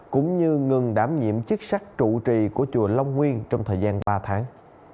cũng như ngừng đảm nhiệm chức sắc trụ trì của chùa long nguyên trong thời gian ba tháng